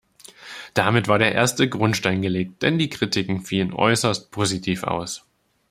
Damit war der erste Grundstein gelegt, denn die Kritiken fielen äußerst positiv aus.